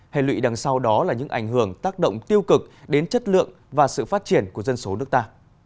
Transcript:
hệ lụy đằng sau đó là những ảnh hưởng tác động tiêu cực đến chất lượng và sự phát triển của dân số nước ta